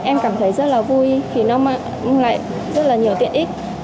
em cảm thấy rất là vui vì nó mang lại rất là nhiều tiện ích